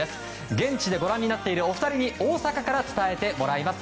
現地でご覧になっている２人に大阪から伝えてもらいます。